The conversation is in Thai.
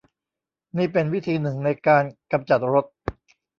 นี่เป็นวิธีหนึ่งในการกำจัดรถ